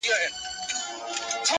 بزم دی پردی پردۍ نغمې پردۍ سندري دي،